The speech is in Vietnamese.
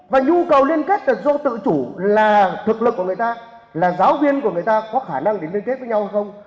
và nhu cầu liên kết là do tự chủ là thực lực của người ta là giáo viên của người ta có khả năng để liên kết với nhau hay không